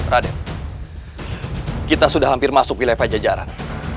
raden kita sudah hampir masuk wilayah pajajaran